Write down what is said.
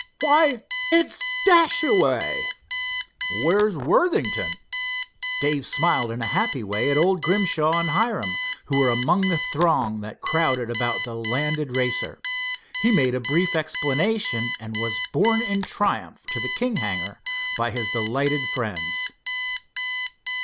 "Why, it's Dashaway!" "Where's Worthington?" Dave smiled in a happy way at old Grimshaw and Hiram, who were among the throng that crowded about the landed racer. He made a brief explanation and was borne in triumph to the King hangar by his delighted friends.